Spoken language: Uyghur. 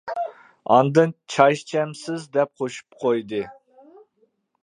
ئاندىن« چاي ئىچەمسىز؟» دەپ قوشۇپ قويدى.